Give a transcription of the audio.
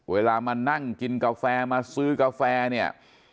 เวลามานั่งกินกาแฟมาซื้อกาแฟเนี่ย